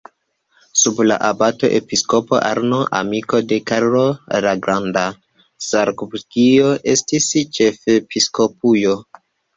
Sub la abato-episkopo Arno, amiko de Karlo la Granda, Salcburgio iĝis ĉefepiskopujo.